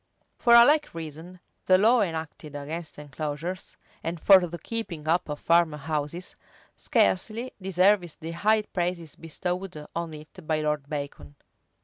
For a like reason, the law enacted against enclosures, and for the keeping up of farm houses,[v] scarcely deserves the high praises bestowed on it by Lord Bacon.